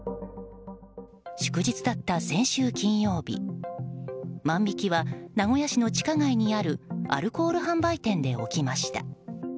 祝日だった先週金曜日万引きは名古屋市の地下街にあるアルコール販売店で起きました。